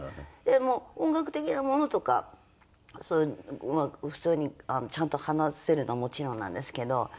もう音楽的なものとかそういう普通にちゃんと話せるのはもちろんなんですけど。